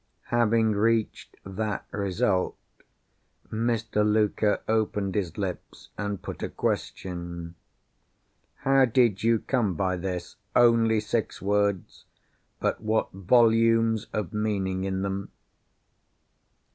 Having reached that result, Mr. Luker opened his lips, and put a question: "How did you come by this?" Only six words! But what volumes of meaning in them!